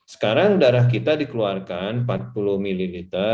sekarang darah kita dikeluarkan empat puluh ml